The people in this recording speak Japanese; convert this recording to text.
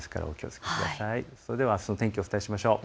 それではあすの天気、お伝えしましょう。